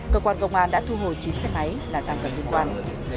cơ quan công an đã thu hồi chín xe máy là tăng vật liên quan